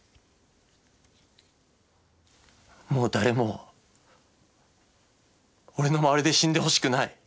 もう誰も俺の周りで死んでほしくない。